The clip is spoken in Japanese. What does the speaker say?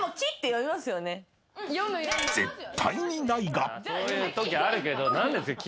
そういうときあるけど何ですか？